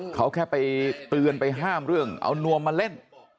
เขาแค่ไปเตือนไปห้ามเรื่องเอานวมมาเล่น